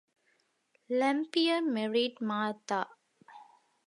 Lamphere married Martha.